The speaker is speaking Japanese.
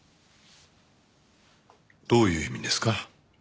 どういう意味ですか？